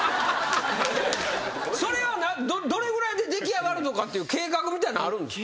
それはどれぐらいで出来上がるとかっていう計画みたいなんあるんですか？